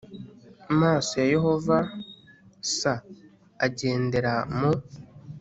maso ya Yehova s agendera mu